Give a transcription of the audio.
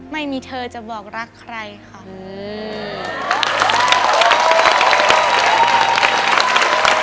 ไม่มีเธอจะบอกรักใครค่ะอืม